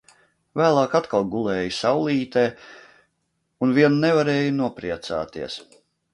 Vēlāk atkal gulēju saulītē un vien nevarēju nopriecāties.